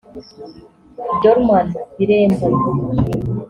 Dorman Birembo